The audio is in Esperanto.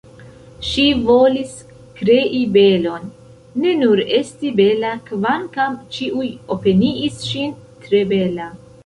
Ŝi volis krei belon, ne nur esti bela kvankam ĉiuj opiniis ŝin tre bela.